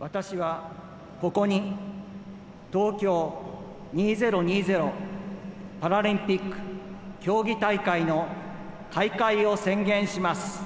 私はここに、東京２０２０パラリンピック競技大会の開会を宣言します。